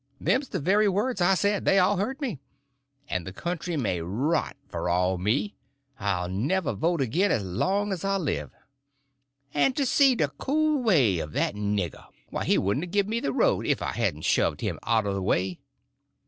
Them's the very words I said; they all heard me; and the country may rot for all me—I'll never vote agin as long as I live. And to see the cool way of that nigger—why, he wouldn't a give me the road if I hadn't shoved him out o' the way.